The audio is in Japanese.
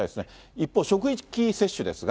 一方、職域接種ですが。